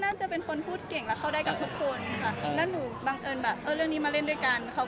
อย่างกว่าเป็นเรื่องพ่อผู้ชายในทางของเล็ก